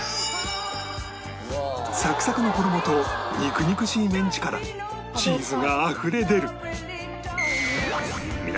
サクサクの衣と肉々しいメンチからチーズがあふれ出る